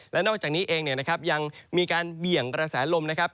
และนอกจากนี้เองเนี่ยนะครับยังมีการเบี่ยงกระแสลมนะครับ